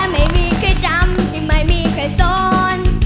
ไม่เคยจำที่ไม่มีใครสอน